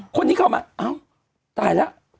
คนนี้เข้ามาเอ้าตายแล้ว